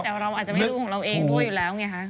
แต่เราอาจจะไม่รู้ของเราเองด้วยอยู่แล้วไงคะ